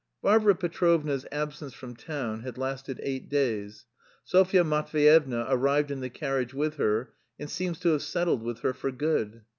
Varvara Petrovna's absence from town had lasted eight days. Sofya Matveyevna arrived in the carriage with her and seems to have settled with her for good.